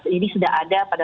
jadi sudah ada pada